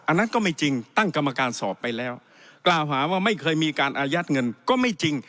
อันนั้นก็ไม่จริงตั้งกรรมการสอบไปแล้วกล่าวหาว่าไม่เคยมีการอายัดเงินก็ไม่จริง